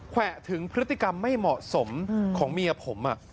แวะถึงพฤติกรรมไม่เหมาะสมของเมียผม